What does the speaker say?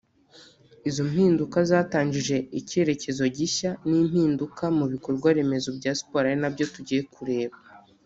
Izo mpinduka zatangjje icyerekezo gishya n’impimduka mu bikorwa remezo bya siporo ari nabyo tugiye kureba